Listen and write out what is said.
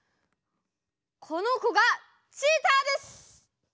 この子がチーターです！